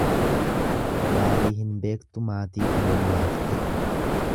Daarii hin beektu maatiif loon yaafte.